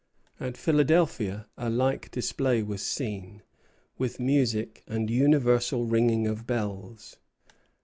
At Philadelphia a like display was seen, with music and universal ringing of bells.